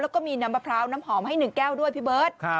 แล้วก็มีน้ำมะพร้าวน้ำหอมให้๑แก้วด้วยพี่เบิร์ต